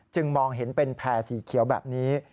มองเห็นเป็นแพร่สีเขียวแบบนี้